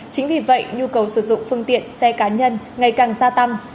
chính vì vậy nhu cầu sử dụng phương tiện xe cá nhân ngày càng gia tăng